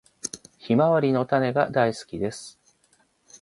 ヒマワリの種が大好きです。